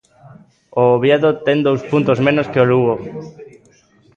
O Oviedo ten dous puntos menos que o Lugo.